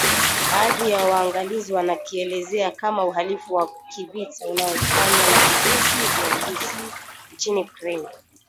baadhi ya waangalizi wanakielezea kama uhalifu wa kivita unaofanywa na vikosi vya Urusi nchini Ukraine